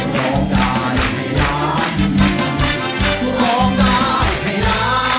ร้องได้เป็นคนแรกแบบนี้ค่ะ